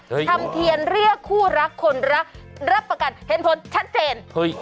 ทำเทียนเรียกคู่รักคนรักรับประกันเห็นผลชัดเจนเฮ้ย